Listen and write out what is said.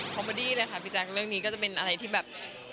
เบอร์ดี้เลยค่ะพี่แจ๊คเรื่องนี้ก็จะเป็นอะไรที่แบบ